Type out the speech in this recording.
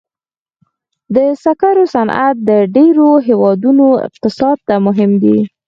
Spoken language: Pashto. د سکرو صنعت د ډېرو هېوادونو اقتصاد ته مهم دی.